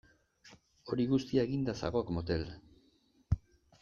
Hori guztia eginda zagok motel!